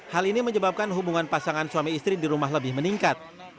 hal ini menyebabkan hubungan pasangan suami istri di rumah lebih meningkat